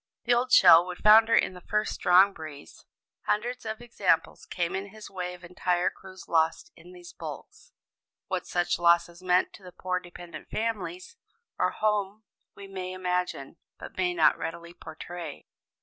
The old shell would founder in the first strong breeze. Hundreds of examples came in his way of entire crews lost in these hulks. What such losses meant to the poor dependent families at home we may imagine, but may not readily portray.